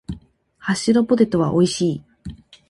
ハッシュドポテトは美味しい。